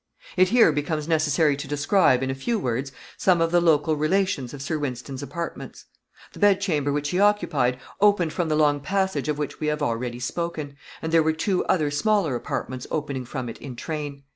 It here becomes necessary to describe, in a few words, some of the local relations of Sir Wynston's apartments. The bedchamber which he occupied opened from the long passage of which we have already spoken and there were two other smaller apartments opening from it in train.